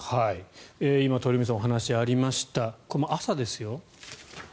今、鳥海さんのお話がありました朝ですよ。